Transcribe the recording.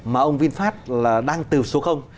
mà ông vinfast là đang từ số